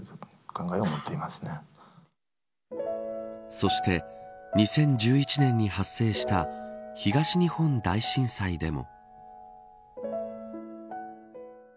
そして、２０１１年に発生した東日本大震災でも。